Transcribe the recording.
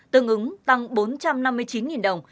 tương ứng tăng bốn trăm năm mươi chín đồng